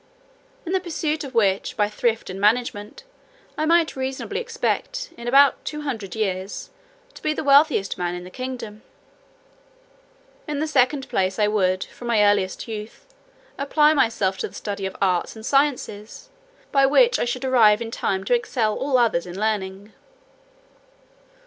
In the pursuit of which, by thrift and management, I might reasonably expect, in about two hundred years, to be the wealthiest man in the kingdom. In the second place, I would, from my earliest youth, apply myself to the study of arts and sciences, by which I should arrive in time to excel all others in learning.